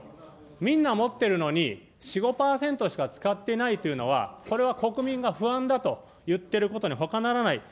みんな持ってるのに、４、５％しか使っていないというのは、これは国民が不安だと言ってることにほかならない。